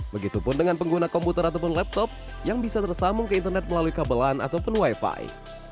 begitupun dengan pengguna komputer ataupun laptop yang bisa tersambung ke internet melalui kabelan ataupun wifi